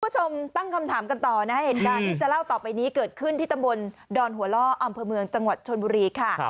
คุณผู้ชมตั้งคำถามกันต่อนะเหตุการณ์ที่จะเล่าต่อไปนี้เกิดขึ้นที่ตำบลดอนหัวล่ออำเภอเมืองจังหวัดชนบุรีค่ะ